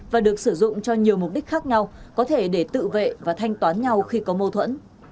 và được sử dụng cho nhiều mục đích khác nhau có thể để tự vệ và thanh toán nhau khi có mâu thuẫn